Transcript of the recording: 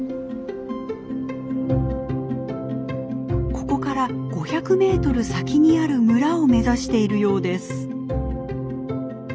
ここから５００メートル先にある村を目指しているようです。